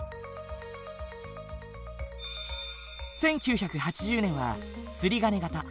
１９８０年はつりがね型。